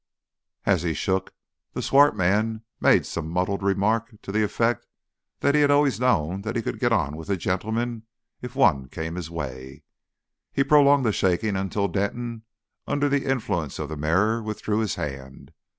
As he shook, the swart man made some muddled remark, to the effect that he had always known he could get on with a gentleman if one came his way. He prolonged the shaking until Denton, under the influence of the mirror, withdrew his hand.